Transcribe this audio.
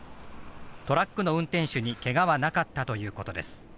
トラックの運転手にけがはなかったということです。